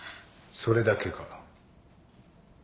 それだけか？